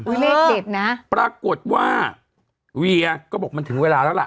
เลขเด็ดนะปรากฏว่าเวียก็บอกมันถึงเวลาแล้วล่ะ